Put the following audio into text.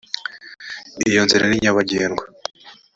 iyo inzira ni nyabagendwa